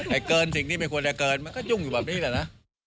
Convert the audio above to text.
เกินสิ่งที่ไม่ควรจะเกินมันก็ยุ่งอยู่แบบนี้แหละนะ